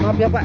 maaf ya pak